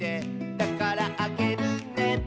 「だからあげるね」